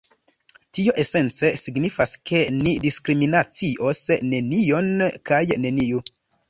Tio esence signifas, ke ni diskriminacios nenion kaj neniun.